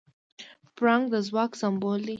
پړانګ د ځواک سمبول دی.